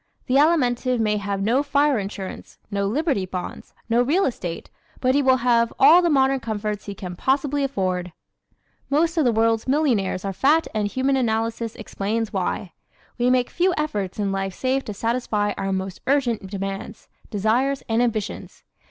The Alimentive may have no fire insurance, no Liberty bonds, no real estate but he will have all the modern comforts he can possibly afford. Most of the world's millionaires are fat and Human Analysis explains why. We make few efforts in life save to satisfy our most urgent demands, desires, and ambitions.